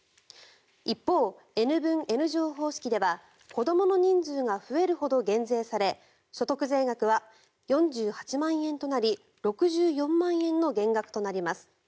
一方、Ｎ分Ｎ乗方式では子どもの人数が増えるほど減税され所得税額は４８万円となり６４万円の減額となります。